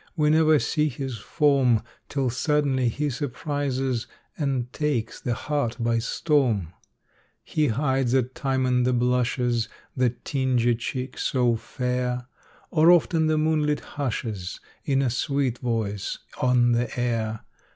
We never see his form, Till suddenly he surprises And takes the heart by storm. He hides at times in the blushes That tinge a cheek so fair, Or oft in the moonlit hushes In a sweet voice on the air.